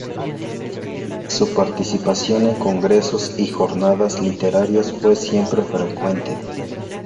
Su participación en congresos y jornadas literarias fue siempre frecuente.